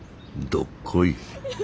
どっこい